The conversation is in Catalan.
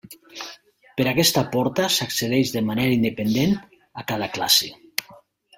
Per aquesta porta s'accedeix de manera independent a cada classe.